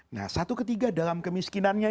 nah satu ketiga dalam kemiskinannya